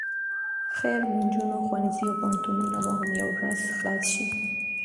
خير د نجونو ښوونځي او پوهنتونونه به هم يوه ورځ خلاص شي.